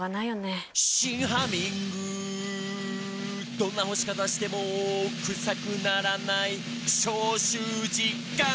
「どんな干し方してもクサくならない」「消臭実感！」